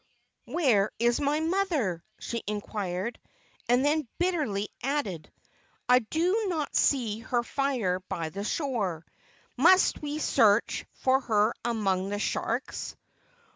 "Where is my mother?" she inquired; and then bitterly added: "I do not see her fire by the shore. Must we search for her among the sharks?"